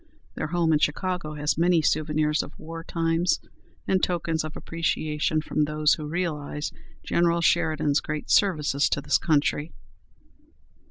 Their home in Chicago has many souvenirs of war times, and tokens of appreciation from those who realize General Sheridan's great services to his country.